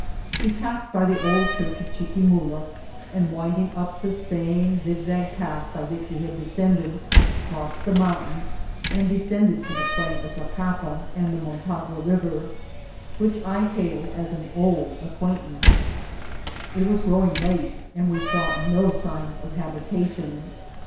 We passed by the old church of Chiquimula, and, winding up the same zigzag path by which we had descended, crossed the mountain, and descended to the plain of Zacapa and tfie Motagua River, which I hailed as an old acquamtance. It was growing late, and we saw no signs of habitation.